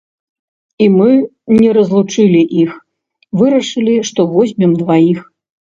І мы не разлучылі іх, вырашылі, што возьмем дваіх.